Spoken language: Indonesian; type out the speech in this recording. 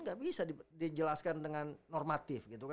gak bisa dijelaskan dengan normatif